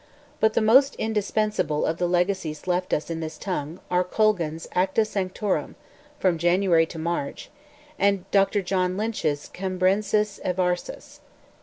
But the most indispensable of the legacies left us in this tongue, are Colgan's "Acta Sanctorum"—from January to March—and Dr. John Lynch's "Cambrensis Eversus."